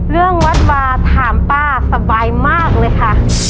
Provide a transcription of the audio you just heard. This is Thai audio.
เรื่องวัดวาถามป้าสบายมากเลยค่ะ